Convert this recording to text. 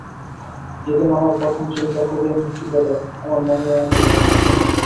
যেদিন আমার প্রথম ছবি প্রেক্ষাগৃহে মুক্তি পেল, আমার মনে আনন্দ যেন ধরে না।